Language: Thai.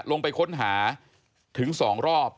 ลงไปค้นหาถึง๒รอบ